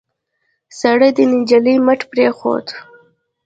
سړي د نجلۍ مټ پرېښود.